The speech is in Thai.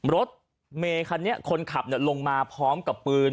รถเมคันนี้คนขับลงมาพร้อมกับปืน